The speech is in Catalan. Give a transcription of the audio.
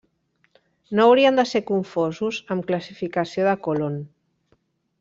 No haurien de ser confosos amb classificació de còlon.